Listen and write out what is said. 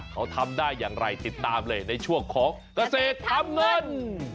เขาทำได้อย่างไรติดตามเลยในช่วงของเกษตรทำเงิน